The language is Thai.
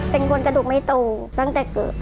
เป็นคนกระดูกไม่โตตั้งแต่เกิด